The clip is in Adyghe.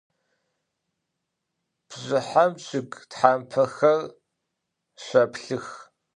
Bjjıhem ççıg thapexer şşeplhıx.